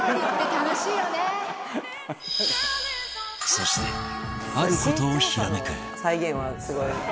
そしてある事をひらめく